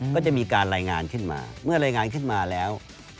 ก็จะมีการรายงานขึ้นมาเมื่อรายงานขึ้นมาแล้ว